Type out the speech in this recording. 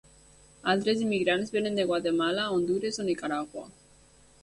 Altres immigrants vénen de Guatemala, Hondures o Nicaragua.